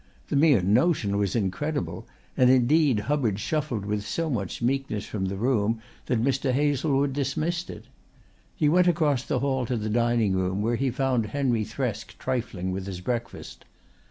The mere notion was incredible and indeed Hubbard shuffled with so much meekness from the room that Mr. Hazlewood dismissed it. He went across the hall to the dining room, where he found Henry Thresk trifling with his breakfast.